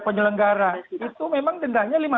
penyelenggara itu memang dendamnya